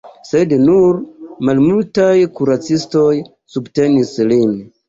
Sed nur malmultaj kuracistoj subtenis lin.